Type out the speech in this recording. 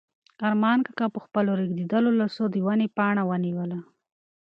ارمان کاکا په خپلو رېږدېدلو لاسو د ونې پاڼه ونیوله.